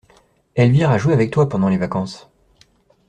Elvire a joué avec toi, pendant les vacances.